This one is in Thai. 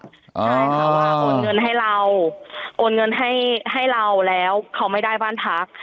ใช่ค่ะว่าโอนเงินให้เราโอนเงินให้ให้เราแล้วเขาไม่ได้บ้านพัก